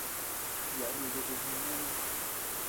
Yaʼa icha chi jeanu yuuna.